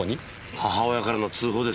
母親からの通報です。